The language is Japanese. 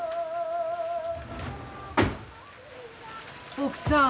奥さん。